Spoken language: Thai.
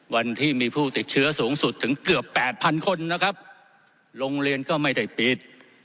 วันที่มีผู้ติดเชื้อสูงสุดถึงเกือบแปดพันคนนะครับโรงเรียนก็ไม่ได้ปิด